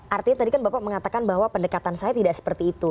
artinya tadi kan bapak mengatakan bahwa pendekatan saya tidak seperti itu